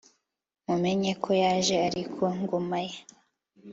mumenye ko yaje ari ku ngoma ye